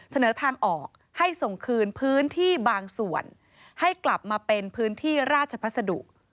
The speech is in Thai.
เสนอทางออกให้ส่งคืนพื้นที่บางส่วนให้กลับมาเป็นพื้นที่ราชพัสดุ